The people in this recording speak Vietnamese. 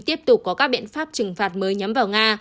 tiếp tục có các biện pháp trừng phạt mới nhắm vào nga